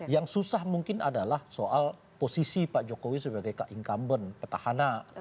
yang susah mungkin adalah soal posisi pak jokowi sebagai incumbent petahana